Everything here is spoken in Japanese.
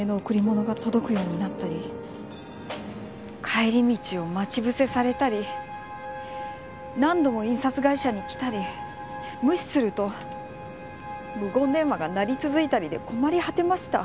帰り道を待ち伏せされたり何度も印刷会社に来たり無視すると無言電話が鳴り続いたりで困り果てました。